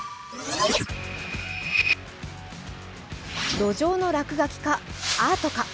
路上の落書きか、アートか。